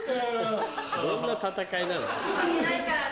どんな戦いなの？